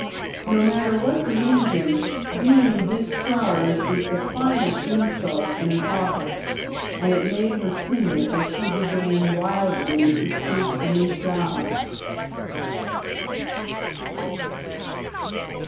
No matter what the reason, being discharged is the final insult in an office, and it made her timid as she began wildly to seek a new job.